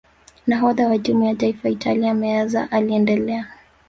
nahodha wa timu ya taifa Italia meazza aliendelea